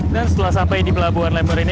dan setelah sampai di pelabuhan lembar ini